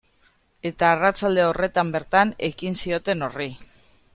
Eta arratsalde horretan bertan ekin zioten horri.